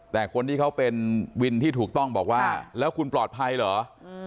แต่คนที่เขาเป็นวินที่ถูกต้องบอกว่าแล้วคุณปลอดภัยเหรอ